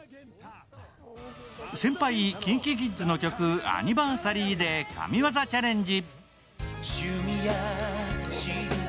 先輩・ＫｉｎＫｉＫｉｄｓの曲「Ａｎｎｉｖｅｒｓａｒｙ」で神業チャレンジ。